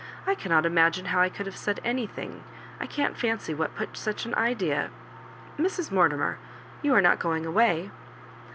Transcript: I cannot ima gine how I could have said anything — I can't &ncy what put such an idea Mrs. Mortfmer, you are not going away